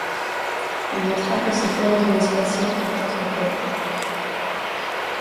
On notera que ses coordonnées spatiales peuvent être polaires.